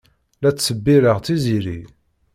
La ttṣebbireɣ Tiziri.